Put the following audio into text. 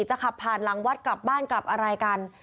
จะขับผ่านหลังวัดกลับบ้านกลับอะไรกัน